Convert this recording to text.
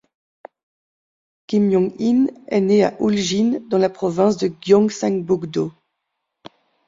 Kim Myeong-in est né le à Uljin, dans la province de Gyeongsangbuk-do.